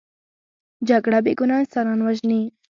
جګړه بې ګناه انسانان وژني